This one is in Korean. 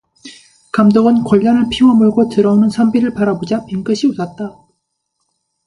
감독은 궐련을 피워 물고 들어오는 선비를 바라보자 빙긋이 웃었다.